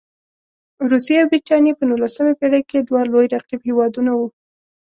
روسیې او برټانیې په نولسمه پېړۍ کې دوه لوی رقیب هېوادونه وو.